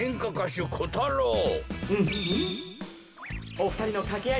おふたりのかけあい